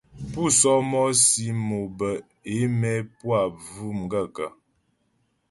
Pú sɔ́mɔ́sì mo bə é mɛ́ pú a bvʉ̀' m gaə̂kə́ ?